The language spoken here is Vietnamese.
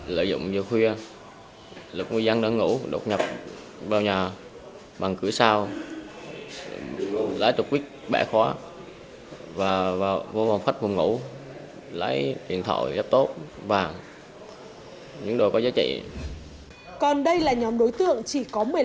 còn đây là nhóm đối tượng chỉ có một mươi năm đến một mươi sáu tuổi